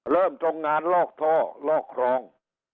เริ่มตรงงานลอกท่อลอกครอง